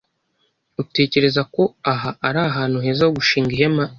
Utekereza ko aha ari ahantu heza ho gushinga ihema?